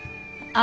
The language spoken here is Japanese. あ！